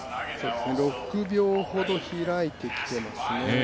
６秒ほど開いてきていますね